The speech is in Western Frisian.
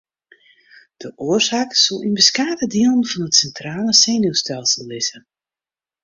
De oarsaak soe yn beskate dielen fan it sintrale senuwstelsel lizze.